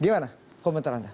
gimana komentar anda